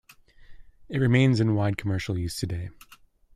It remains in wide commercial use today.